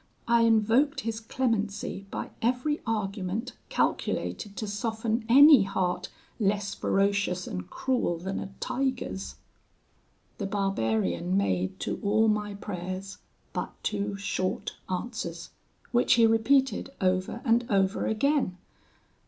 I invoked his clemency by every argument calculated to soften any heart less ferocious and cruel than a tiger's. "The barbarian made to all my prayers but two short answers, which he repeated over and over again.